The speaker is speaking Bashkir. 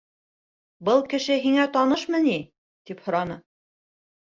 Был кеше һиңә танышмы ни? - тип һораны.